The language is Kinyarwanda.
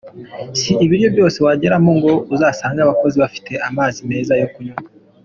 Si ibiro byose wageramo ngo usange abakozi bafite amazi meza yo kunywa.